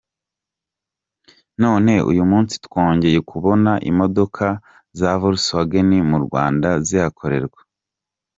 None uyu munsi twongeye kubona imodoka za Volkswagen mu Rwanda zihakorerwa.”